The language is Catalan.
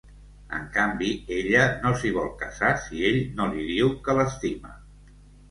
En canvi, ella no s’hi vol casar si ell no li diu que l’estima.